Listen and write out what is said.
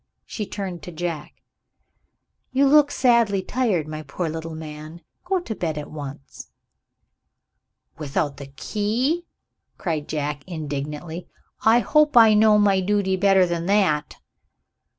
She turned to Jack. "You look sadly tired, my poor little man. Go to bed at once." "Without the key?" cried Jack indignantly. "I hope I know my duty better than that."